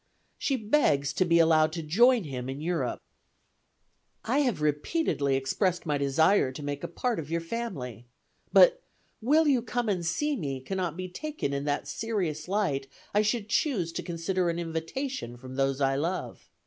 She begs to be allowed to join him in Europe. "I have repeatedly expressed my desire to make a part of your family. But 'Will you come and see me?' cannot be taken in that serious light I should choose to consider an invitation from those I love.